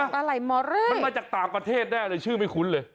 ปลาไหลมอเรมันมาจากต่างประเทศได้เลยชื่อไม่คุ้นเลย